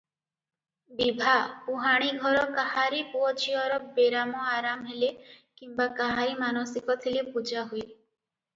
ବିଭା, ପୁହାଣିଘର କାହାରି ପୁଅଝିଅର ବେରାମ ଆରାମ ହେଲେ କିମ୍ବା କାହାରି ମାନସିକ ଥିଲେ ପୂଜା ହୁଏ ।